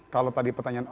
kalau tadi pertanyaan o